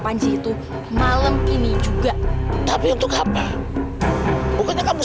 sama sama kamu untuk bunuh omalaras